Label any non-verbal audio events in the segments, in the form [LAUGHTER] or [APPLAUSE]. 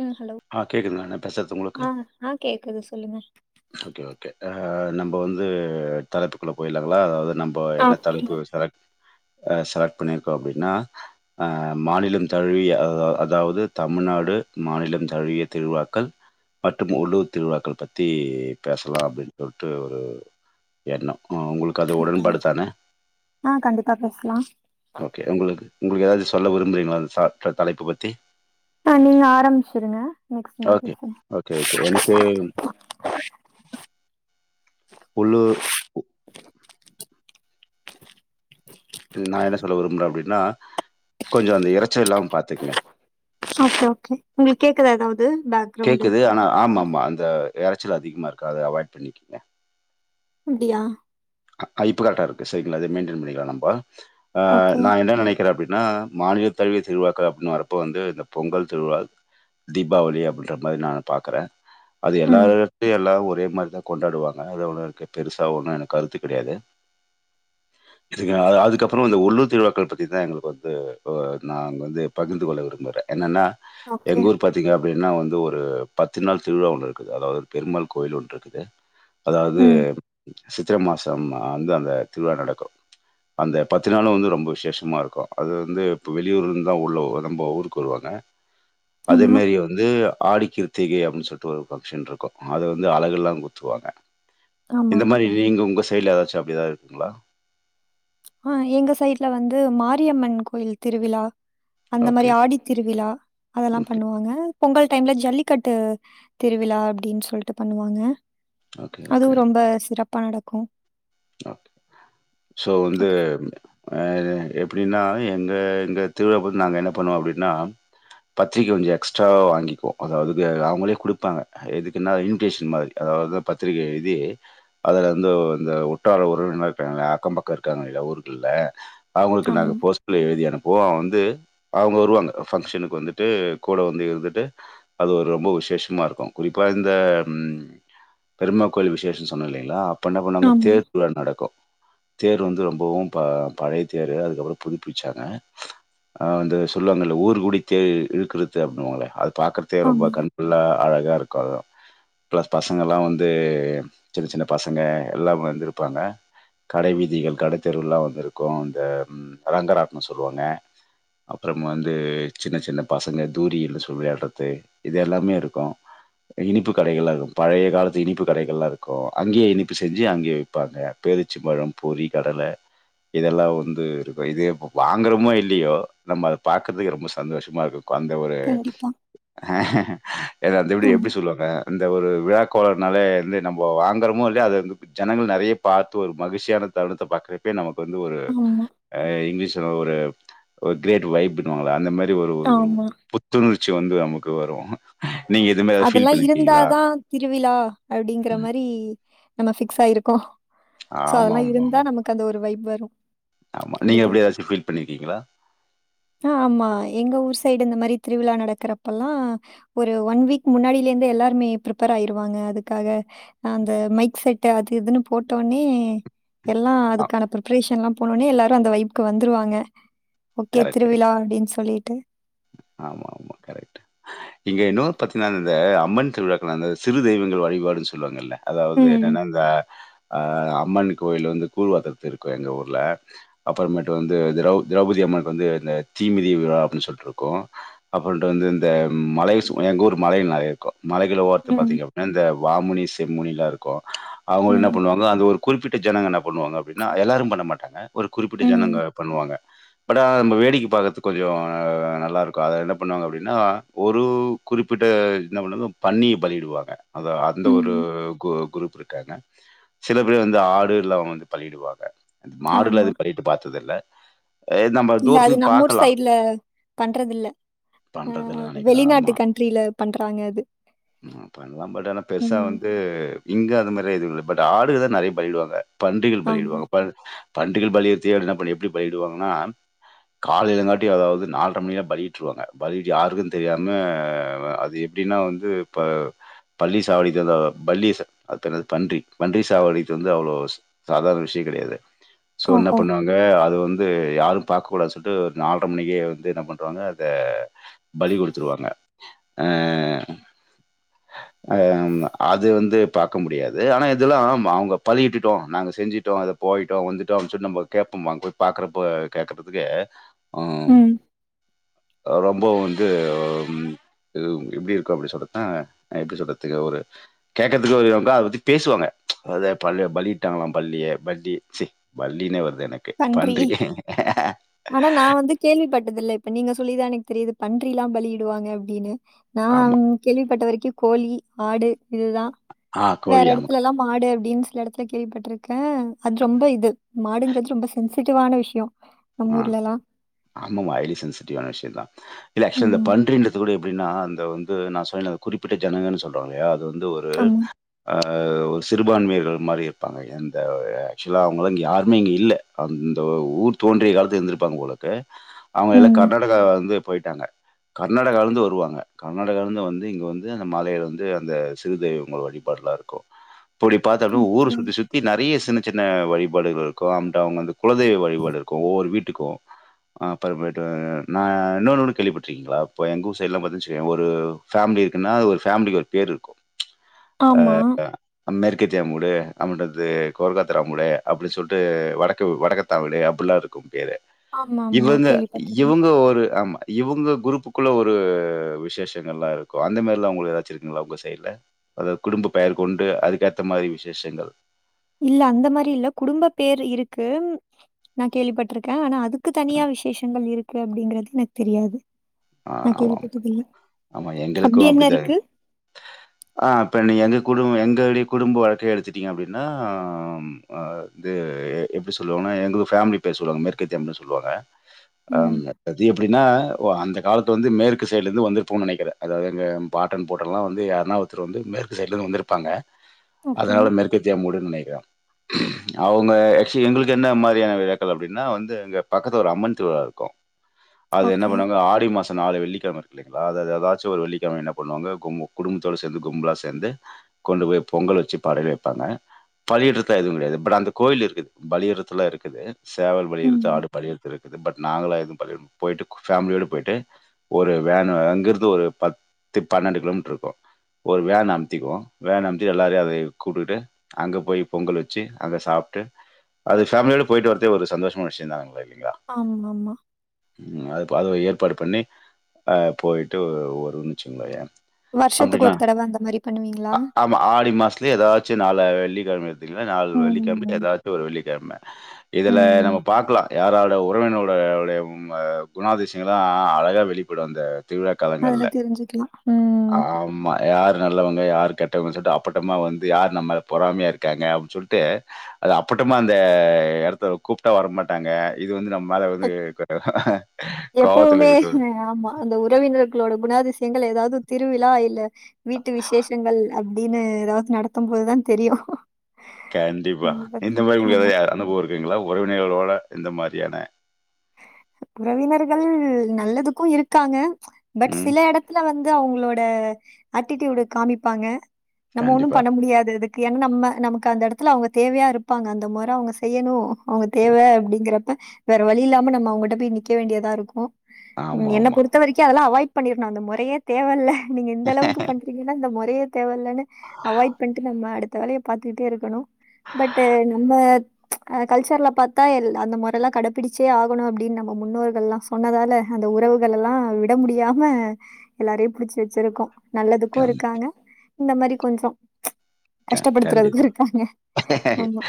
ம் ஹலோ ஆ கேட்குதுங்க. நான் பேசுறது உங்களுக்கு? ஆஹ் ஆஹ் கேக்குது சொல்லுங்க ஓகே ஓகே அ நம்ம வந்து தலைப்புக்குள்ள போய்லாங்ளா நம்ப ஆ என்ன தலைப்பு புரியல. சார் ஆ சார் புனேக்கோ அப்டினனா அஹ் மாநிலம் தழுவிய அதாவ அதாவது தமிழ்நாடு மாநிலம் தழுவிய திருவிழாக்கள் மற்றும் உள்ளூர் திருவிழாக்கள் ப த்தி பேசலா அப்டின் சொல்ட்டு ஒரு எண்ணோ ஒ உங்களுக்கு அது ஓகே உடன்பாடுதான ஆ கண்டிப்பா பேசலா ஓகே உங்களுக்கு உங்களுக் எதாவது சொல்ல விருப் ங்களா சார் அ ச தலைப்பு பத்தி ஆஹ் நீங்க ஆரம்பிச்சிருங்க நெக்ஸ்ட் நா ஓகே. பேசுற ஓகே, ஓகே. எனக்கு உள்ளூர் நா என்ன சொல்ல விரும்புற அப்டின்னா கொஞ்ச அந்த எரச்ச இல்லாம பாத்துக்ங்க ஓகே ஓகே உங்களுக்கேக்குதா எதாவது கேக்குது ஆனா ஆமம் மா அந்த எரச்சல் அதிகமாருக்க அத அவாய்ட் பண்ணிக்கோங்க அப்டியா இப்போ கரெக்டாருக்கு சரிங்களா அதே மெய்ன்டெய்ன் பண்ணிக்களா நம்பா ஆ ஓகே நா என்ன நெனைக்கிற அப்படின் னா மாநில தழுவிய திருவிழாக்கள் அப்டின்னு வரப்ப வந்து இந்த பொங்கல் திருவிழா தீபாவளி அப்டின்ற மாரி நா பாக்கற அது ம் எல்லாவர்ட்டை எல்லாவு தே மாரி தா கொண்டாடுவாங்க அ ஒனக்கு பெருசா ஒம் எனக்கு கருத்து கெடயாது இது அ அ அதுக்கப்பற இந்த உள்ளூர் திருவிழாக்கள் பத்தி தா எங்களுக்கு வந்து ஒ நா வந்து பகிர்ந்து கொள்ள விரும்புற என்னன்னா ஓகே எங்க ஊர் பாத்திங்க அப்டின்னா வந்து ஒரு பத்து நாள் திருவிழா ஒன்னு இருக்குது அதாவது பெருமாள் கோவில் ஒன்ருக்குது அதாவ்து ம் சித்திர மாசம் அ வந்து அந்த திருவிழா நடக்கு அந்த பத்து நாளும் வந்து ரொம்ப விசேஷமா இருக்கு அது வந்து இப்போ வெளியூர்ந்தா உள்ள நம்ம ஊருக்கு வருவாங்க அதே ஆமா மாரி வந்து ஆடி கிருத்திகை அப்ன்னு சொல்ட்டு ஒரு பஃங்க்ஷன் இருக்கு அத வந்து அலகல்லாங்குத்துவாங்க ஆமா உங்க சைட்ல ஏதாச்சு அப்டிதா இருக்ங்ளா ஆஹ் எங்க சைட்ல வந்து மாரியம்மன் கோயில் திருவிழா அந்த மாரி ஓகே ஆடி திருவிழா அதெல்லாம் ஓகே பண்ணுவாங்க பொங்கல் டைம்ல ஜல்லிக்கட்டு திருவிழா அப்டின் சொல்ட்டு பண்ணுவாங்க ஓகே ஓகே அதுவு ரொம்ப சிறப்பா நடக்கும் க்கோம் ஓகே சோ வந்து அப்படின்னா எங்க எங்க திருவிழாக்கு வந்து நாங்க என்ன பண்ணுவோம் அப்படின்னா பத்திரிக்கை கொஞ்ச எக்ஸ்ட்ராவா வாங்கிக்குவோம் அதாவது அவங்களே கொடுப்பாங்க எதுக்குன்னா இன்விடேஷன் மாதிரி அதாவது பத்திரிக்கை எழுதி அதுல வந்து அந்த உற்றார்கள் உறவினர் கிராங்கில்ல அக்கம் பக்கம் இருக்காங்க இல்ல ஊருக்குள்ள அவங்களுக்கு நாங்க ஆமா போஸ்டல எழுதி அனுப்பவோம் அவ வந்து அவங்க வருவாங்க ஃபங்ஷனுக்கு வந்துட்டு கூட வந்து இருந்துட்டு அது ஒரு ரொம்ப விசேஷமா இருக்கும் குறிப்பா இந்த பெருமா கோவில் விசேஷம் சொன்ன இல்லிங்களா பண்ண பண்ணாங்க ஆமா தேர்க்குல நடக்கும் தேர் வந்து ரொம்பவும் பழைய தேர் அதுக்கப்புறம் புதுப்பிச்சாங்க வந்து சொல்லுவாங்கள ஊரு கூடி தேர் இலுக்குறது அப்படின்வாங்களே அது பாக்கறதே ரொம்ப ஆமா கல்புல்லா அழகாக இருக்கு பிளஸ் பசங்க எல்லாம் வந்து சின்ன சின்ன பசங்க எல்லாமே வந்திருப்பாங்க கடை வீதிக கடை தெருவுலாம் வந்து இருக்கும் அந்த ரங்கராட்னம் சொல்லுவாங்க அப்புறம் வந்து சின்ன சின்ன பசங்க தூரியனு சொல்லி விளையாடுறது இது எல்லாமே இருக்கும் இனிப்புக் கடைகள் லாம் இருக்கு பழைய காலத்து இனிப்பு கடைகள்லா இருக்கு அங்கே இனிப்பு செஞ்சு அங்கே விபாங்கா [UNINTELLIGIBLE] பொறி கடல இதெல்லாம் வந்து இதையும் இதுப்போ வாங்குறமோ இல்லையோ நம்ம அதை பாக்கறதுக்கு ரொம்ப சந்தோஷமா இருக்கும் அந்த ஒரு கண்டிப்பா அந்த வீடு ஆமா எப்டி சொல்லுவாங்க அந்த ஒரு விழாக்கோலம்னாலே வந்து நம்ம வாங்குறமோ இல்லையா அதை வந்து ஜனங்கள் நறைய பாத்து ஒரு மகிழ்ச்சியான தருணத்த பாக்றே இப்பயே நமக்கு வந்து ஒரு ஆமா, இங்கிலீஷ்ல ஒரு கிரேட் வைப் ன்வாங்களே அந்த மாதிரி ஒரு ஒரு ஆமா. புத்துணர்ச்சி வந்து நமக்கு ம்ம் வரும் அதெல்லாம் இருந்தாதான் திருவிழா அப்படிங்கற மாரி நம்ம சயிருக்கும் சோ ஆமா அதெல்லாம் ஆமா இருந்தா நமக்கு அது ஒரு வைப் வரும் ஆமா நீங்க கண்டிப்பா. எப்படி ஏதாச்சும் ஃபீல் பண்ணிருக்கீங்களா ஆ ஆமா. எங்க ஊர் சைடு இந்த மாதிரி திருவிழா நடக்கிறப்பல்லாம் ஒரு ஒன் வீக் முன்னாடியிலே இருந்து எல்லாருமே ப்ரப்பேர் ஆயிருவாங்க அதுக்காக அந்த மைக் செட் அது இதுன்னு போட்டஒன்னே எல்லாம் ஆ அதுக்கான பிரிப்பரேஷன்லாம் போனோனே எல்லாரும் அந்த வைபுக்கு வந்துருவாங்க ஓக்கே கரெக்ட் திருவிழா அப்டின்னு சொல்லி டம் ஆமா ஆமா கரெக்ட் இங்க இன்னொரு பத்துநாங்க இந்த அம்மன் திருவிழாக்க அந்த சிறு தெய்வங்கள் வழிபாடுன்னு சொல்லுவாங்கல்ல அதாவது ம். என்னன்னா இந்த ஆஹ அம்மன் கோயில் வந்து கூழ்வாத்திரத்து இருக்கோ எங்கள் ஊர்ல அப்பறமேட்டு வந்து திரௌ திரௌபதி அம்மன் வந்து இந்த தீமிதி விழா அப்படின்னுசொல்ட்டு இருக்கும் இருக்கும் அப்ரண்ட்டு இந்த மலேஷ் எங்க ஊர் மலை நறைய இருக்கும் மலைகளளை ஓரத்து ம். பாத்தீங்க அப்டனா இந்த வாமுனி செம்முனியிலாம் இருக்கும் அவுங்க என்ன ம். பண்ணுவாங்க அந்த ஒரு குறிப்பிட்ட ஜனங்க என்ன பண்ணுவாங்க அப்டின்னா எல்லாரும் பன்ன மாட்டாங்க ஒரு குறிப்பிட்ட ம். ஜனங்க பண்ணுவாங்க பட் நம்ம வேடிக்கை பாக்கறதுக்கு கொஞ்சம் நல்ல நல்லா இருக்கோ அத என்ன பண்ணுவாங்க அப்டின்னா ஒரு குறிப்பிட்ட என்ன பன்னுவங்க நா பண்ணியை பலியிடுவாங்க அத அந்த ஒரு ம். குரூப் இருக்காங்க சில பேர் வந்து ஆடு இல்ல வந்து பலியிடுவாங்க மாடுல ஆமா. இது பலியிட்டு பாத்தது இல்ல இல்ல அது நம்ஊர் சைடுல பண்றதில்ல. அ பண்றதுல நனைக்கிறேன் வெளிநாட்டு ஆமா கண்ட்ரில பண்றாங்க அது. ம் பண்ணலாம் பட் ஆனா பெருசா ம். வந்து இங்க அது மாதிரி எது இல்ல பட் ஆடுதான் நறைய பலியிடுவாங்க பன்றிகள் ஆமா. பலியிடுவாங்க ப பண்டிகள் பலியத்த எப்டி பலியிடுவாங்கன்னா காலயிலங்காட்டி அதாவது நா டம்ன்னியா பலியிட்டுருவாங்க பலிட்டு யாருக்கும் தெரியாம அது எப்புடின்னா வந்து இப்ப பல்லி சாவடி வந்து பல்லி சா அது பெருன்னாது பன்றி பன்றி சாவடிக்கறது வந்து அவ்ளோ சாதரண விஷயோ கெடையாது சோ என்ன ஓஹோ! பண்ணுவாங்க அது வந்து து யாரும் பாக்கக்கூடது சொல்ட்டு நாலட்ற மணிக்குகே வந்து என்ன பண்றாங்க அத பலி குடுத்துருவாங்க அஹ் அஹ் அது வந்து பாக்க முடியாது ஆனா இதெல்லா அவங்க பலியிட்டுட்டோ நாங்க செஞ்சிட்டோ அத போயிட்டோ வந்துட்டோ அப்டினு சொல்லி நம்ம கேப்பமா அங்க போய் பாக்கறப்ப கேக்கறதுக்கே உம் ம். ரொம்ப வந்து எப்டி இருக்கு அப்டி சொல்றதா எப்டி சொல்றதுக்கு ஒரு கேக்கறதுக்கு ஒரு [UNINTELLIGIBLE] அத பத்தி பேசுவாங்க அதாவது பல்லு பலியிட்டாங்களா பல்லிய பல்லி சே பல்லினே வருது பன்றி ஆனா நா வந்து கேள்வி பட் டுதில இப்ப நீங்க சொல்லிதா எனக்கு தெரியுது பன்றி ல்லா பலிஇடுவாங்க அப்டினு நா ஆமா. கேள்விப்பட்டவரை கி கோழி ஆடு இதுதா ஆ வேற கோழி ஆமா. எடத்துல எல்லா மாடு டிம்ஸ் சில எடத்துல கேள்விப்பட்டிருக்கே அது ரொம்ப இது மாடுன்றது ரொம்ப சென்சிட்டிவான விஷயோ மா ஆமாமா ஹய்லி சென்சிட்டிவ் ஆன விஷய தா இல்ல ஆக்சுவலா ஆமா, பன்றின்றது கூட எப்டினா அந்த வந்து நா சொன்னேல குறிப்பிட்ட ஜனங்கள் சொல்ரோல்லையா அது வந் எந்த ஒரு ஆமா. அ அஹ் ஒரு சிறுபான்மையர்கள் மாரி இருப்பாங்க எந்த ஆக்சுவலா அவுங்களா இங்கே யாருமே இங்கே இல்ல அந்த ஊர் தோன்றிய காலத்தில இருந்திருப்பாங்க போலக்க அவுங்க எல்லா ம். கர்நாடகா ல ருந்து போயிட்டாங்க கர்நாடகால ருந்து வருவாங்க கர்நாடகால இருந்து வந்து இங்க வந்து அந்த மாலேல வந்து அந்த சிறு தெய்வங்கள் வழிபாடுலா இருக்கு இப்டி பாத்தாலு ஊரு ஓகே. சுத்தி சுத்தி நெறைய சின்ன சின்ன வழிபாடுகள்ருக்கு அங்ட்டு அவுங்க வந்து குலதெய்வ வழிபாடு ஒரு வீட்டுக்கு அப்புற மேட்டு நா இன்னொன்னு ஒன்னு கேள்விப்பட்டிருக்கீங்களா இப்ப எங்க ஊர் சைடெல்லா பாத்தீங்கன்ன வச்சுக்கோங்க ஒரு ஃபேமிலி இருக்குன்னா ஒவ்வொரு பேமிலிக்கும் ஒரு பேரு இருக்கு ஆமா. அஹ் அமெரிக் தெக்கத்தியாமுடு அப்பின்றது கோர்க்காத்தராமூடு அப்படின்னு சொல்லிட்டு வடக்கு வடக்கத்தா வீடு அப்புல்லருக்கு பேரு ஆமாமா. இவுங்க கேள்விப்பட்டுருக்கேன். இவுங்க ஒரு ஆமா இவுங்க குரூப்க்கு குள்ள ஒரு விசேஷங்கள் எல்லா இருக்கும் அந்த மாதிரிலா உங்களுக்கு ஏதாச்சு இருக்குங்களா உங்க சைட்ல அதாவது குடும்ப பெயர் கொண்டு அதுக்கேத்த மாதிரி விசேஷங்கள் இல்ல அந்த மாதிரி இல்ல குடும்ப பேர் இருக்கு நா கேள்விப்பட்டிருக்கே ஆனா அதுக்கு தனியா விசேஷங்கள் இருக்கு அப்டிங்கறது எனக்கு தெரியாது ஆஹ் நான் ஆமா கேள்விப்பட்டதில்ல. ஆமா எங்களுக்கு அப்படி என்ன அப்டித்தா இரு இருக்கு? ஆஹ் இப்ப நீங்க எந் குடும்ப எங்களுடைய குடும்ப வழக்க எடுத்துட்டிங்க அப்படின்னா இது எப்டி சொல்லுவாங்கன்னா எங்க ஃபேமிலி பேர் சொல்லுவாங்க மேற்கத்தியனு சொல்லுவாங்க ஆஹ் ம். அது எப்புடின்னா ஓ அந்த காலத்து வந்து மேற்கு சைடுல இருந்துப் வந்திருப்போம்னு நெனைக்கிறே அதாவது எங்க பாட்டன் பூட்டன் எல்லா வந்து யாறணாவோருத்தர் வந்து மேற்கு சைடுலருந்து வந்துருப்பாங்க ஓகே. அதாவது மேற்கத்திய மூடுன்னு நெனைக்கிறே அவுங்க அக்சுவலி எங்களுக்கு என்ன மாதிரியான விழாக்கள் அப்டின்னா வந்து எங்க பக்கத்து ஒரு அம்மன் திருவிழாருக்கு அது என்ன ஓகே. பண்ணாங்க ஆடு மாசம் தா ஆடி வெள்ளிக்கிழமை இருக்கு இல்லைங்களா அது ஏதாச்சு ஒரு வெள்ளிக்கிழமை என்ன பண்ணுவாங்க குடும்பத்தோடு சேந்து கும்பலாக சேந்து கொண்டு போய் பொங்கல் வெச்சு படையல் வெப்பாங்க பலியிறது எதுவு கிடையாது பட் அந்த கோவில் இருக்குது பலியிடுதெல்லா இருக்குது சேவல்பலி ம். இருக்கு ஆடு பலி இருக்குது பட் நாங்கெல்லா எதும் பலியிட் போயிட்டு ஃபேமிலியோட போயிட்டு ஒரு வேன் அங்கருந்து ஒரு பத்து பன்னெண்டு கிலோமீட்டர் இருக்கு ஒரு வேன் அம்த்திக்குவோ வேன் அம்ச்சு எல்லாரியு அது கூப்ட்டுக்கிட்டு அங்க போயி பொங்கல் வெச்சு அத சாப்ட்டு அத ஃபேமிலியோட போயிட்டு வரதே ஒரு சந்தோஷமான விஷயம் தா [UNINTELLIGIBLE] ஆமா மாமா உம் அது பதவியேற் ஏற்பாடு பண்ணி அ போயிட்டு ஒ ஒருன்னுச்சுங்களாயா வருஷத்துக்கு அப்டின்னா ஒரு தடவ அந்த மாரி பண்ணுவீங்களா? அ ஆமா ஆடி மாசத்துலயே ஏதாச்சு நாள் வெள்ளி [INAUDIBLE] இல்ல நாள் வெள்ளிக்கிழமை ம். ஏதாச்சும் ஒரு வெள்ளிக்கிழமை இதுல ம். நம்ம பாக்கலா யாரோட உறவினர் அவருடைய குணாதிசயம் இதெல்லா அழகா வெளிப்படும் இந்த திருவிழா அதுல காலங்கள்ல தெரிஞ்சுக்கலாம். ம். ஆமா யாரு நல்லவங்க யார் கெட்டவங்க சொல்ட்டு அப்பட்டமா வந்து யாரு நம்மள பொறாமையா இருக்காங்க அப்படின்னு சொல்ட்டு அத அப்பட்டமா அந்த எடத்துக்கு கூப்ட்டா வர மாட்டாங்க இது வந்து நம் ம்மா தா வந்து வந்து [INAUDIBLE] எப்பவுமே ம் ஆமா அந்த உறவினர்களோட குண அதிசயங்கள் ஏதாவது திருவிழா இல்ல வீட்டு விசேஷங்கள் அப்பிடின்னு ஏதாவது நடக்கும் போதுதான் தெரியும் கண்டிப்பா இத பத்தி. இந்த மாரி உங்களுக்கு ஆமா. ஏதாவது அனுபவ இருக்குங்களா உறவினர்களோட இந்த மாரியான உறவினர்கள் நல்லதுக்கு இருக்காங்க பட் ம். சில எடத்துல வந் து அவுங்களோட ஆட்டி ட்டூயுடு காமிப்பாங்க நம்ம ஒண்ணு கண்டிப்பா. பண்ண முடியாது இதுக் ஏன்னா நம்ம நம்க்கு அந்த எடத்துல அவுங்க தேவையா இருப்பாங்க அந்த மொற அவுங்க செய்யணு அவுங்க தேவ அப்பிடிங்கிறப்ப வேற வழி இல்லாம இன்று நம்ம அவுங்கிட்ட போய் நிக்க வேண்டியதா இருக்கு ம் என்ன ஆமாமா. பொறுத்த வரைக்கு அதெல்லா அவாய்ட் பண்ணிரணு அந்த மொறையே தேவல்ல நீங்க இந்த அளவுக்கு பண்றீங்கன்னா இந்த மொறையே தேவயில்லனு அவாய்ட் பண்ட்டு நம்ம அடுத் வேலய பாத்துட்டே இருக்கணு பட் நம்ம அ கல்ச்சர்ல பாத்தா எல் அந்த மொறல்லா கடபிடிச் த்தே ஆகணு அப்டின் நம்ம முன்னோர்கள்லா சொன்னதால அந்த உறவுகள் எல்லா விட முடியாம எல்லாரையு புடிச்சு வச்சிருக்கோ நல்லதுக்கு கம் இருக்காங்க இந்த மாரி கொஞ்ச க கண்டிப்பா ஆமா.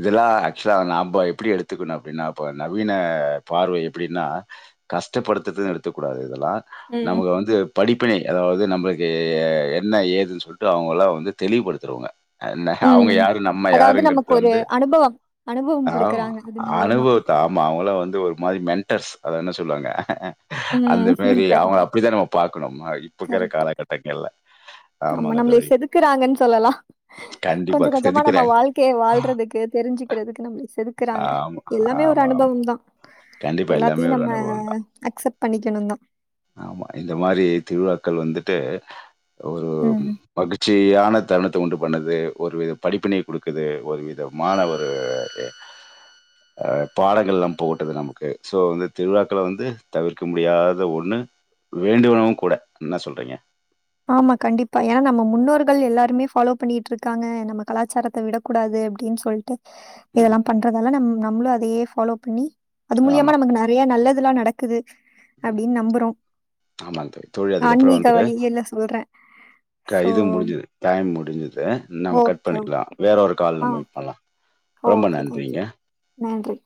இதெல்லா ஆக்சுவலா நாம்ப எப்புடி எடுத் துக்ணு அப்படின்னா இப்ப நவீன பார்வை எப்படின்னா கஷ்டப்படுத்துதுன் எடுத்துக்கூடாது இதல்லா ம். நமக்கு வந்து படிப்பினை அதாவுது நம்மளுக்கு என்ன ஏதுனு சொல்ட்டு அவங்கல்லா வந்து தெளிவுபடுத்துறவங்க அவங்க ம். யாரு நம்ம அதாவது நமக்கு யாருங்கிறது ஒரு வந்து அனுபவம் அனுபவம் ஆமா குடுக்குறாங்க அது மூலியமா. அனுபவத்த ஆமா அவங்கலா வந்து ஒரு மாரி மென்டர்ஸ் அதென்ன சொல்லுவாங்க அந்த ம். மாரி அவங்க கரெக்ட், அப்புடிதா நம்ம பாக்கணும் ஆ இப்பக்கற கரெக்ட். காலகட்டங்கல்ல ஆமா நம்மளய செதுக்குறாங்கன் சொல்லலா கொஞ்ச கண்டிப்பா கொஞ்சமா நம்ம செதுக்குறாங்க. வாழ்க்கைய வாழ்றதுக்கு தெரிஞ்சுக்கிறதுக்கு நம்மளய செதுக்குறாங்க ஆமா, எல்லாமே ஒரு ஆமா, ஆமா. அனுபவம்தா கண்டிப்பா எல்லாமே ஒரு அனுபவந்தா அக்செப்ட் பண்ணிக்கணும் தான். ஆமா இந்த மாரி திருவிழாக்கள் வந்து ஒரு ம். மகிச்சியானத் தருணத்த உண்டு பண்ணுது ஒருவித படிப்பினி குடுக்குது ஒரு விதமான ஒரு அ பாடங்கள் நம் போத் இது நமக்கு சோ வந்து திருவிழாக்களே வந்து தவிர்க்க முடியாத ஒண்ணு வேண்டுவனுவு கூட என்ன சொல்றீங்க ஆமா கண்டிப்பா ஏன்னா நம்ம முன்னோர்கள் எல்லாருமே ஃபாலோ பண்ணிட்டு இருக்காங்க நம்ம கலாச்சாரத்த விடக்க கூடாது அப்டின்னு சொல்லிட்டு ம். இதெல்லா பண்றதலே நம்ம நம்மளு அதயே ஃபாலோ பண்ணி அது ஆமா. மூலியமா நமக்கு நறைய நல்ல ல்லா நடக்குது அப்பிடின்னு நம்புறோ ஆமாங்க தோழி. தோழி அதுக்கப்புறம் ஆன்மீக வந்து வலி யில்ல இது முடிஞ்சுது. டைம் முடிஞ்சுது. நம்ம கட் ஓகே. பண்ணிக்கலா. வேற ஒரு கால் ஆ நம்ம மீட் பண்லா. ஓகே. தேங்க்யூ. நன்றி.